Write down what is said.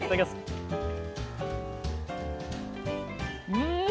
うん！